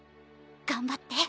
頑張って。